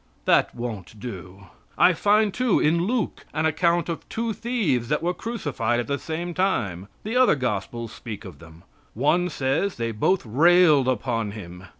That won't do. I find too, in Luke, an account of two thieves that were crucified at the same time. The other gospels speak of them. One says they both railed upon Him.